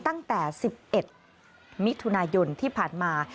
ตั้งแต่๑๑มิถุนายนที่ผ่านมา